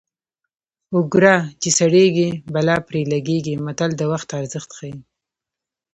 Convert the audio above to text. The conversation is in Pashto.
اوګره چې سړېږي بلا پرې لګېږي متل د وخت ارزښت ښيي